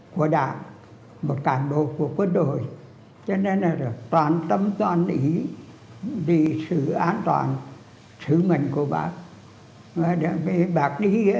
cho nên là toàn tâm toàn ý về sự an toàn sự mình của bác